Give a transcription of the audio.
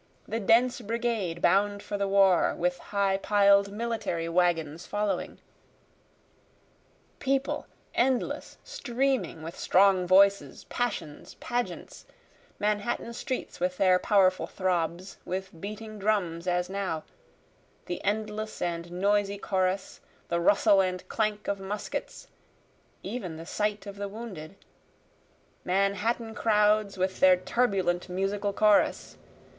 The dense brigade bound for the war, with high piled military wagons following; People, endless, streaming, with strong voices, passions, pageants, Manhattan streets with their powerful throbs, with beating drums as now, The endless and noisy chorus, the rustle and clank of muskets, (even the sight of the wounded,) Manhattan crowds, with their turbulent musical chorus!